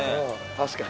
確かに。